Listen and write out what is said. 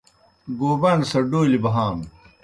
گوباݨ سہ ڈولیْ بہانوْ۔